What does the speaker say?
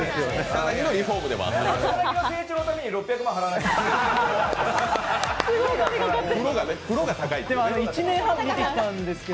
草薙の成長のために６００万払えないですよ。